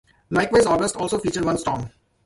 Likewise, August also featured one storm.